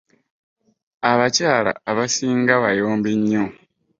Abakyala abasinga bayombi nyo.